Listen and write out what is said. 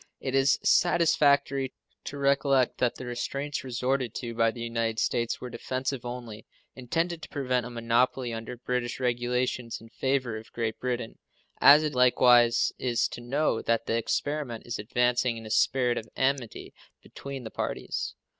It is satisfactory to recollect that the restraints resorted to by the United States were defensive only, intended to prevent a monopoly under British regulations in favor of Great Britain, as it likewise is to know that the experiment is advancing in a spirit of amity between the parties.